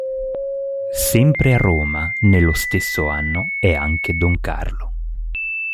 Sempre a Roma nello stesso anno è anche Don Carlo.